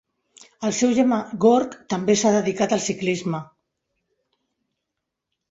El seu germà Georg també s'ha dedicat al ciclisme.